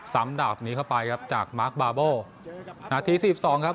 ดาบนี้เข้าไปครับจากมาร์คบาร์โบนาทีสี่สิบสองครับ